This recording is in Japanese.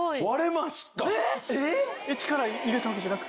力入れたわけじゃなく？